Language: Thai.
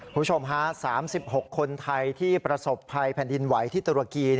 คุณผู้ชมฮะ๓๖คนไทยที่ประสบภัยแผ่นดินไหวที่ตุรกี